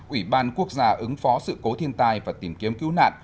ủy ban quốc gia ứng phó sự cố thiên tai và tìm kiếm cứu nạn